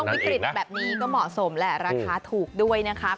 วิกฤตแบบนี้ก็เหมาะสมแหละราคาถูกด้วยนะคะ